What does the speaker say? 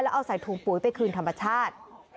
แล้วเอาใส่ถุงปุ๋ยไปคืนธรรมชาติ